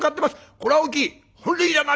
これは大きい！